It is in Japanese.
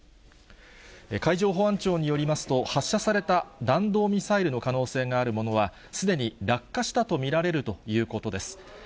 海上保安庁によりますと、発射された弾道ミサイルの可能性があるものは、すでに落下したと見られるということです。